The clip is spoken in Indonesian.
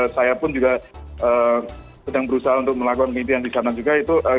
saya pun juga sedang berusaha untuk melakukan penelitian di sana juga itu